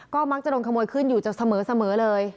ก็มักจะโดนขโมยขึ้นอยู่จะเสมอเลย